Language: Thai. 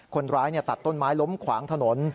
คนร้ายตัดต้นไม้ล้มขวางถนน